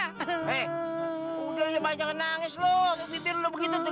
hehehe udah ya pak jangan nangis loh pipir lu begitu tuh